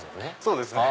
そうですね。